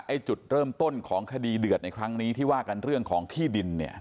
จุดเริ่มต้นของคดีเดือดในครั้งนี้ที่ว่ากันเรื่องของที่ดินเนี่ย